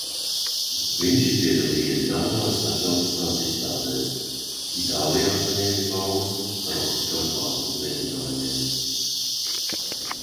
Viņš ir piedalījies daudzās starptautiskās izstādēs, Itālijā saņēmis balvas par optiskās mākslas mēģinājumiem.